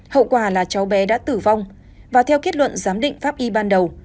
hậu quả là cháu bé đã tử vong và theo kết luận giám định pháp y ban đầu